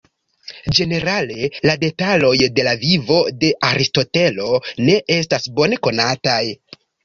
Ĝenerale, la detaloj de la vivo de Aristotelo ne estas bone konataj.